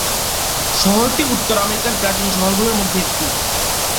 শহরটি উত্তর আমেরিকার প্রাচীন শহরগুলোর মধ্যে একটি।